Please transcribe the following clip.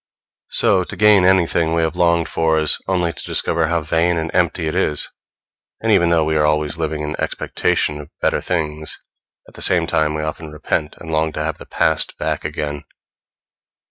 So, to gain anything we have longed for is only to discover how vain and empty it is; and even though we are always living in expectation of better things, at the same time we often repent and long to have the past back again.